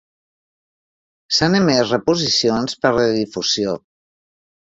S'han emès reposicions per redifusió.